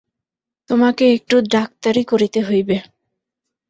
তোমাকে একটু ডাক্তারি করিতে হইবে।